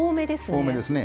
多めですね。